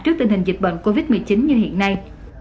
trước tình hình dịch bệnh covid một mươi chín như hiện nay